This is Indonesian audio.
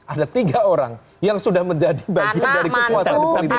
ada tiga orang yang sudah menjadi bagian dari kekuasaan politik